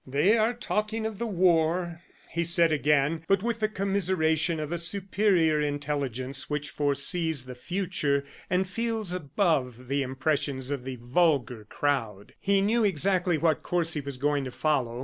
"They are talking of the war," he said again but with the commiseration of a superior intelligence which foresees the future and feels above the impressions of the vulgar crowd. He knew exactly what course he was going to follow.